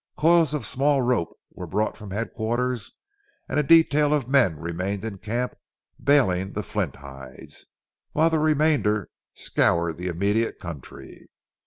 Coils of small rope were brought from headquarters, and a detail of men remained in camp, baling the flint hides, while the remainder scoured the immediate country.